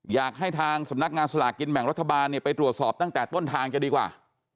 อยากให้ทางสำนักงานสลากกินแบ่งรัฐบาลไปตรวจสอบตั้งแต่ต้นทางจะดีกว่า